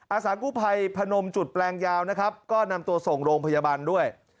อาสากู้ภัยพนมจุดแปลงยาวนะครับก็นำตัวส่งโรงพยาบาลด้วย